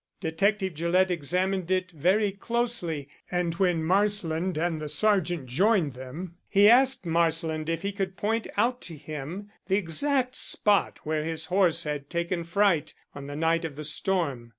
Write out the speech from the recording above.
Detective Gillett examined it very closely, and when Marsland and the Sergeant joined them he asked Marsland if he could point out to him the exact spot where his horse had taken fright on the night of the storm.